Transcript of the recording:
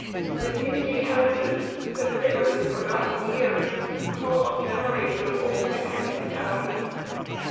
The dingy houses, "familiar with forgotten years," call up memories of old Mexican towns.